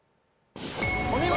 お見事！